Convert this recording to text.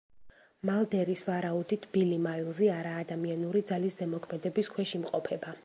მალდერის ვარაუდით, ბილი მაილზი არაადამიანური ძალის ზემოქმედების ქვეშ იმყოფება.